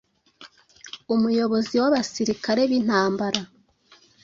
Umuyobozi wabasirikare bintambara